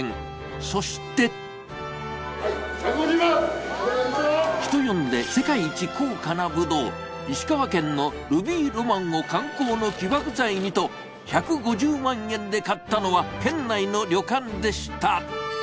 そして人呼んで世界一高価なぶどう、石川県のルビーロマンを観光の起爆剤にと、１５０万円で買ったのは県内の旅館でした。